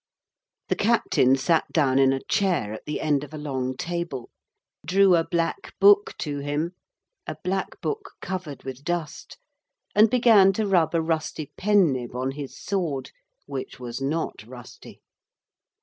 The captain sat down in a chair at the end of a long table, drew a black book to him a black book covered with dust and began to rub a rusty pen nib on his sword, which was not rusty.